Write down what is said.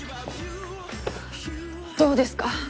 どうですか？